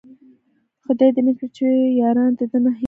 خداې دې نه کړي چې ياران د ده نه هير شي